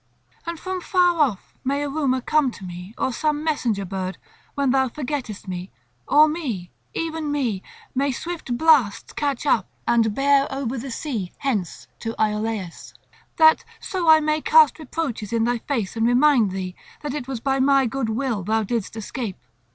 And from far off may a rumour come to me or some messenger bird, when thou forgettest me; or me, even me, may swift blasts catch up and bear over the sea hence to Iolcus, that so I may cast reproaches in thy face and remind thee that it was by my good will thou didst escape.